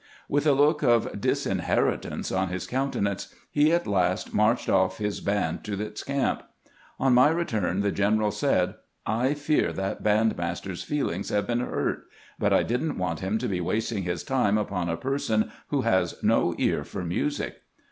With a look of disinheritance on his countenance, he at last marched off his band to its camp. On my return the general said :" I fear that band master's feelings have been hurt, but I did n't want him to be wasting his time upon a person who has no ear for music."